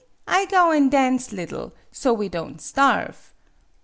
I go an' dance liddle, so we don' starve.